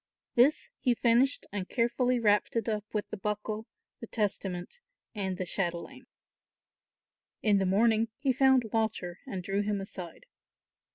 This he finished and carefully wrapped it up with the buckle, the testament and the chatelaine. In the morning he found Walter and drew him aside.